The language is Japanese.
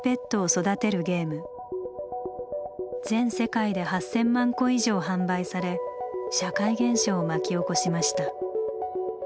全世界で８，０００万個以上販売され社会現象を巻き起こしました。